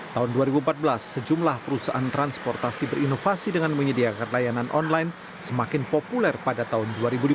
tahun dua ribu empat belas sejumlah perusahaan transportasi berinovasi dengan menyediakan layanan online semakin populer pada tahun dua ribu lima belas